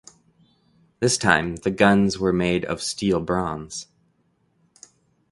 This time the guns were made of steel bronze.